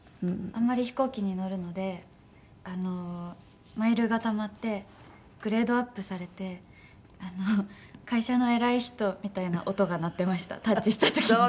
あんまり飛行機に乗るのでマイルがたまってグレードアップされて会社の偉い人みたいな音が鳴ってましたタッチした時に。